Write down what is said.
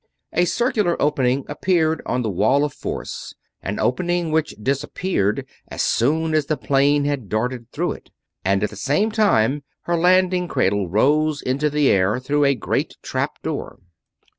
A circular opening appeared on the wall of force, an opening which disappeared as soon as the plane had darted through it; and at the same time her landing cradle rose into the air through a great trap door.